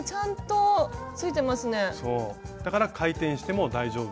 だから回転しても大丈夫。